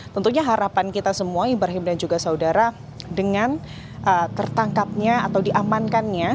tentunya harapan kita semua ibrahim dan juga saudara dengan tertangkapnya atau diamankannya